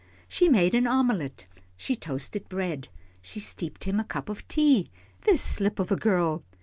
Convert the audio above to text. She made an omelet, she toasted bread, she steeped him a cup of tea this slip of a girl.